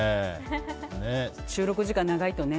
収録時間長いとね。